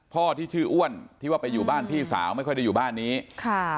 พ่อที่ชื่ออ้วนที่ว่าไปอยู่บ้านพี่สาวไม่ค่อยได้อยู่บ้านนี้ค่ะ